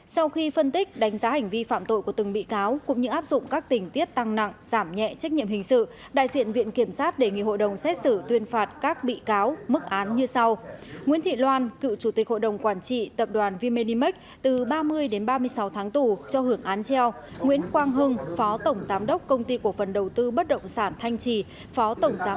năm ba mươi năm tỷ đồng cuối giờ chiều nay đại diện viện kiểm sát thực hành quyền công tố tại phiên tòa đã đề nghị hội đồng xét xử tuyên phạt bị cáo nguyễn thị loan chủ tịch hội đồng quản trị công ty cổ phần tập đoàn dược phẩm v medimax từ ba mươi đến ba mươi sáu tháng tù cho hưởng án treo về tội vi phạm quy định về hoạt động bán đấu giá tài sản